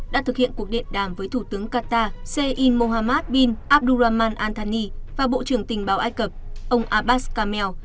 đã thực hiện cuộc điện đàm với thủ tướng qatar seyid mohammed bin abdurrahman antani và bộ trưởng tình báo ai cập abbas kamel